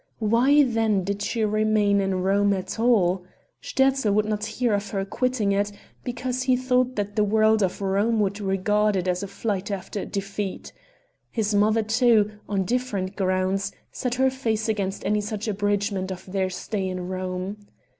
Why then did she remain in Rome at all? Sterzl would not hear of her quitting it, because he thought that the world of Rome would regard it as a flight after defeat. His mother too, on different grounds, set her face against any such abridgment of their stay in Rome.